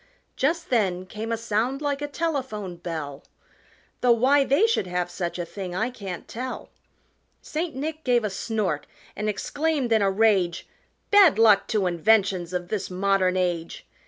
Just then came a sound like a telephone bell Though why they should have such a thing I can't tell St. Nick gave a snort and exclaimed in a rage, "Bad luck to inventions of this modern age!"